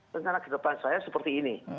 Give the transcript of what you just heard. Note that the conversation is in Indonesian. rencana ke depan saya seperti ini